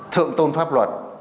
thượng tôn pháp luật